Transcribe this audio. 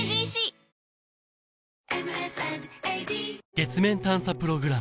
月面探査プログラム